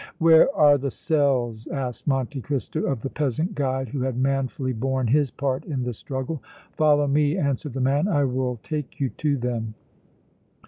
"Where are the cells?" asked Monte Cristo of the peasant guide, who had manfully borne his part in the struggle. "Follow me," answered the man. "I will take you to them."